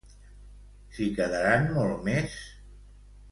S'hi quedaran molt més?